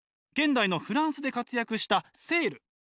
現代のフランスで活躍したセール。